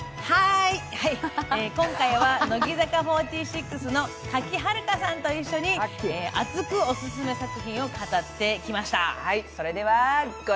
今回は乃木坂４６の賀喜遥香さんと一緒に熱くオススメ作品を語ってきました。